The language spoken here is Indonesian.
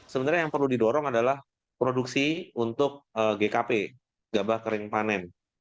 sebenarnya yang perlu didorong adalah produksi untuk gkp gabah kering panen